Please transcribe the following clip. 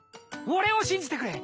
俺を信じてくれ。